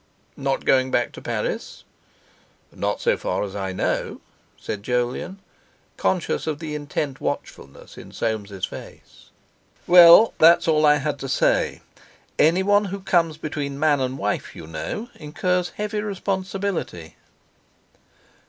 "Not going back to Paris?" "Not so far as I know," said Jolyon, conscious of the intent watchfulness in Soames' face. "Well, that's all I had to say. Anyone who comes between man and wife, you know, incurs heavy responsibility."